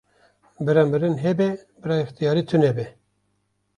Bira mirin hebe bira yextiyarî tunebe